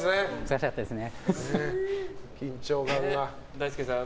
大輔さん